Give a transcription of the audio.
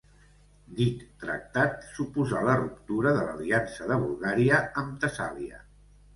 Dit tractat suposà la ruptura de l'aliança de Bulgària amb Tessàlia.